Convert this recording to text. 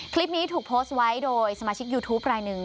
คลิปนี้ถูกโพสต์ไว้โดยสมาชิกยูทูปรายหนึ่ง